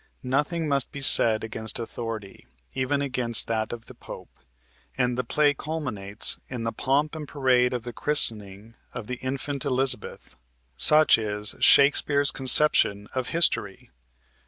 Nothing must be said against authority, even against that of the pope, and the play culminates in the pomp and parade of the christening of the infant Elizabeth! Such is Shakespeare's conception of history!